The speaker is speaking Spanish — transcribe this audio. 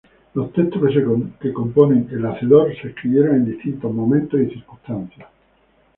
Los textos que componen "El hacedor" se escribieron en distintos momentos y circunstancias.